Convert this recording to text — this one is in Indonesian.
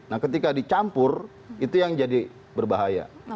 nah ketika dicampur itu yang jadi berbahaya